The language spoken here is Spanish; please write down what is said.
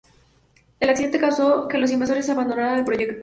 El accidente causó que los inversores abandonaran el proyecto.